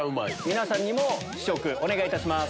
皆さんにも試食お願いいたします。